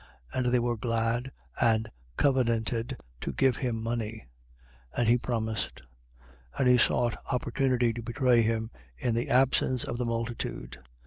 22:5. And they were glad and covenanted to give him money. 22:6. And he promised. And he sought opportunity to betray him in the absence of the multitude.